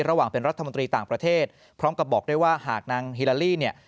ระหว่างเป็นรัฐมนตรีต่างประเทศพร้อมกับบอกด้วยว่าหากนางฮิลาลี่เนี่ย